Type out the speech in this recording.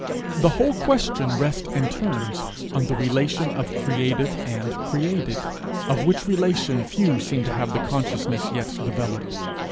The whole question rests and turns on the relation of creative and created, of which relation few seem to have the consciousness yet developed.